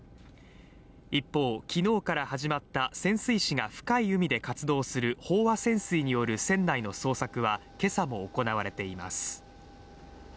一方、昨日から始まった潜水士が深い海で活動する飽和潜水による船内の捜索は今朝も行われています。